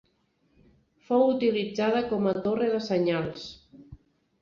Fou utilitzada com a torre de senyals.